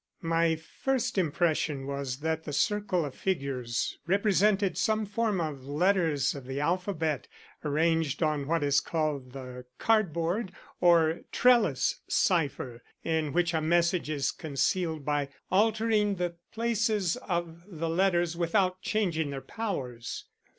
"My first impression was that the circle of figures represented some form of letters of the alphabet arranged on what is called the cardboard or trellis cipher, in which a message is concealed by altering the places of the letters without changing their powers.